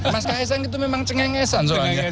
mas kaisang itu memang cengengesan